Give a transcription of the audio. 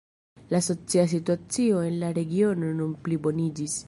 La socia situacio en la regiono nun pliboniĝis.